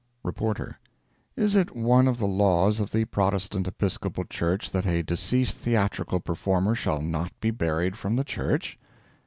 Reporter—Is it one of the laws of the Protestant Episcopal Church that a deceased theatrical performer shall not be buried from the church?